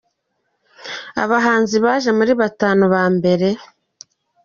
Abahanzi baje muri batanu ba mbere